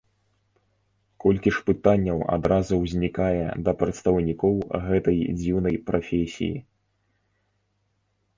Колькі ж пытанняў адразу узнікае да прадстаўнікоў гэтай дзіўнай прафесіі.